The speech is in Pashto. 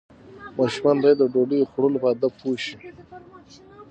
ماشومان باید د ډوډۍ خوړلو په آدابو پوه شي.